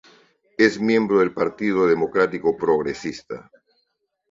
Es miembro del Partido Democrático Progresista.